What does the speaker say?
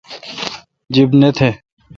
جب نہ تھ